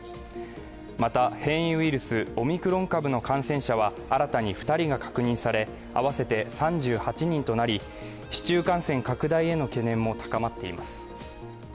また、変異ウイルス・オミクロン株の感染者は新たに２人が確認され合わせて３８人となり、市中感染拡大への懸念も高まっています。